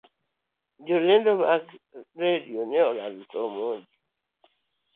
Jolendo mag radio ne olando thoo omondi